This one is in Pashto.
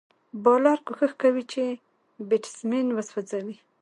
بالر کوښښ کوي، چي بېټسمېن وسوځوي.